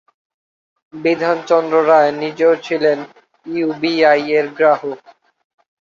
বিধানচন্দ্র রায় নিজেও ছিলেন ইউবিআই-এর গ্রাহক।